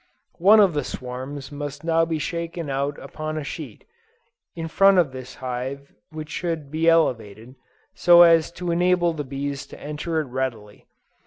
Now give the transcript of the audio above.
One of the swarms must now be shaken out upon a sheet, in front of this hive which should be elevated, so as to enable the bees to enter it readily.